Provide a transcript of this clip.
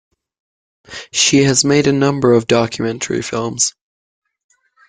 She has made a number of documentary films.